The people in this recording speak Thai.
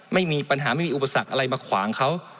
ไม่มีปัญหาไม่มีอุปสรรคอะไรมาขวางเขา